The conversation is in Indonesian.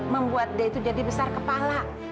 membuat dia itu jadi besar kepala